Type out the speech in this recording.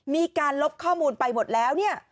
มีการลบข้อมูลไปหมดแล้ว